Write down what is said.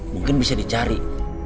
mungkin bisa dicari